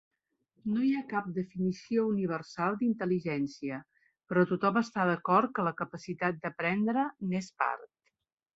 No hi ha cap definició universal d'intel·ligència, però tothom està d'acord que la capacitat d'aprendre n'és part.